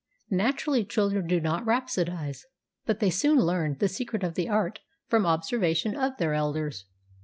Naturally, children do not rhapsodise, but they soon learn the secret of the art from observation of their elders.